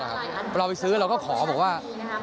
เราไปซื้อเราก็ขอบอกว่า